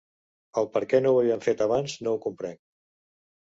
El perquè no ho havien fet abans no ho comprenc.